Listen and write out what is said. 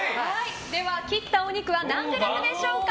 切ったお肉は何グラムでしょうか。